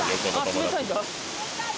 冷たい。